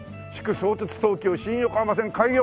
相鉄・東急新横浜線開業」。